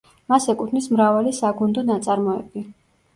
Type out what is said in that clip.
მას ეკუთვნის მრავალი საგუნდო ნაწარმოები.